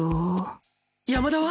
山田は？